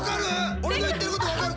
俺の言ってること分かる？